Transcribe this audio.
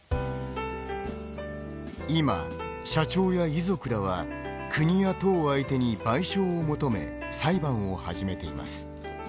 今、社長や遺族らは国や都を相手に賠償を求め裁判を始めています。